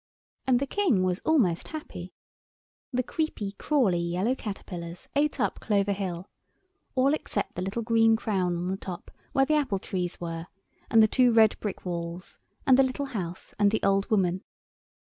And the King was almost happy. The creepy, crawly yellow caterpillars ate up Clover Hill—all except the little green crown on the top, where the apple trees were and the two red brick walls and the little house and the old woman.